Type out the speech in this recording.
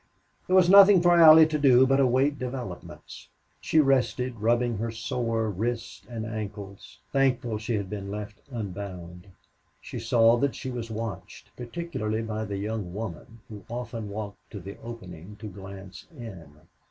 There was nothing for Allie to do but await developments. She rested, rubbing her sore wrists and ankles, thankful she had been left unbound. She saw that she was watched, particularly by the young woman, who often walked to the opening to glance in.